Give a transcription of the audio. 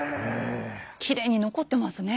きれいに残ってますね。